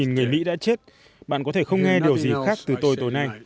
hai trăm hai mươi người mỹ đã chết bạn có thể không nghe điều gì khác từ tôi tối nay